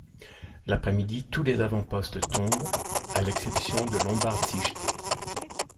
L'après-midi, tous les avant-postes tombent à l'exception de Lombardsijde.